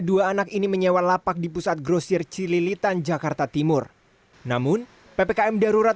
dua anak ini menyewa lapak di pusat grosir cililitan jakarta timur namun ppkm darurat